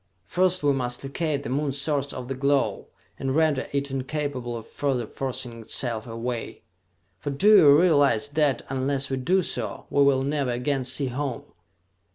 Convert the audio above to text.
First we must locate the Moon source of the glow, and render it incapable of further forcing itself away! For do you realize that, unless we do so, we will never again see home?"